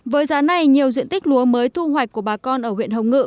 với giá này nhiều diện tích lúa mới thu hoạch của bà con ở huyện hồng ngự